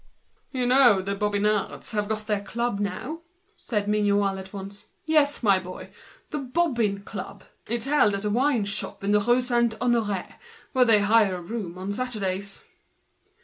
"You know the Bobbin fellows have got their club now," said Mignot, all at once. "Yes, my boy, the 'Bobbin Club.' It's held at a tavern in the Rue Saint Honoré, where they hire a room on Saturdays."